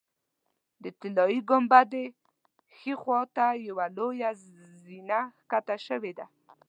د طلایي ګنبدې ښي خوا ته یوه لویه زینه ښکته شوې ده.